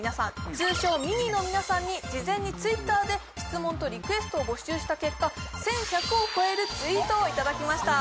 通称ＭＩＮＩの皆さんに事前にＴｗｉｔｔｅｒで質問とリクエストを募集した結果１１００を超えるツイートをいただきました